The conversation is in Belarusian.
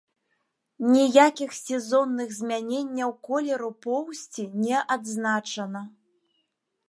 Ніякіх сезонных змяненняў колеру поўсці не адзначана.